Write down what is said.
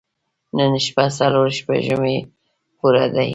نن شپه څلور سپوږمۍ پوره دي.